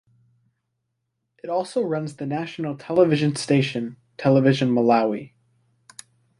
It also runs the national television station, Television Malawi.